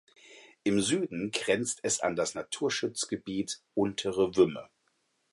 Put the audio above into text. Im Süden grenzt es an das Naturschutzgebiet „Untere Wümme“.